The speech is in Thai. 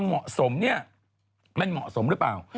เหมาะสมเนี่ยมันเหมาะสมหรือเปล่า